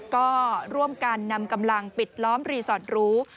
ก็ร่วมกันนำกำลังปิดล้อมรีสอร์ตหรู